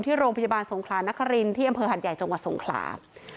ที่โรงพยาบาลสงขลานครินที่อำเภอหัดใหญ่จังหวัดสงขลา